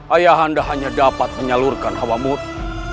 ayah anda hanya dapat menyalurkan hawa muda